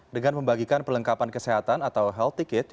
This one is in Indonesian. dengan membagikan perlengkapan kesehatan atau health ticket